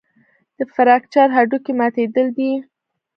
د فراکچر هډوکی ماتېدل دي.